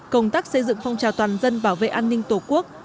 công tác xây dựng phong trào toàn dân bảo vệ an ninh tổ quốc